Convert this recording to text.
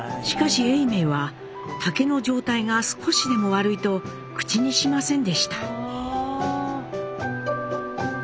しかし永明は竹の状態が少しでも悪いと口にしませんでした。